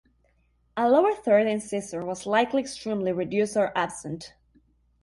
A lower third incisor was likely extremely reduced or absent.